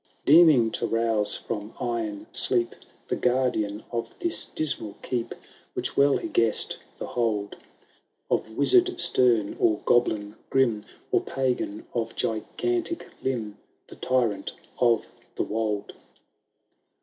Deeming to rouse from iron sleep The guardian of this dismal Keep, Which well he guess'd the hold Of wizard stem, or goblin grim. Or pagan of gigantic limb. The tyrant of the wold.